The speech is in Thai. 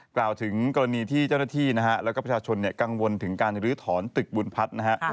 กล่าวถึงกรณีที่เจ้าหน้าที่นะฮะแล้วก็ประชาชนกังวลถึงการลื้อถอนตึกบุญพัฒน์นะฮะ